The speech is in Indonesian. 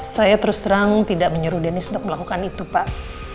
saya terus terang tidak menyuruh denis untuk melakukan itu pak